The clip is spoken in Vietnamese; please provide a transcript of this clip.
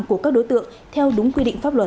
của các đối tượng theo đúng quy định pháp luật